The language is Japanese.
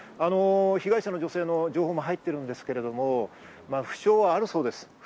被害者の女性の情報も入っているんですけれども、負傷はあるそうです。